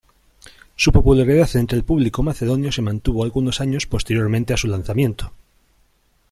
Su popularidad entre el público macedonio se mantuvo algunos años posteriormente a su lanzamiento.